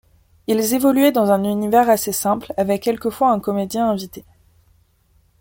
Ils évoluait dans un univers assez simple avec quelquefois un comédien invité.